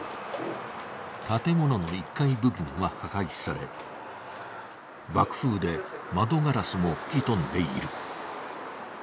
建物の１階部分は破壊され爆風で窓ガラスも吹き飛んでいる。